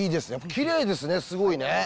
きれいですね、すごいね。